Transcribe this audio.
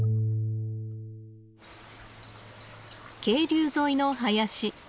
渓流沿いの林。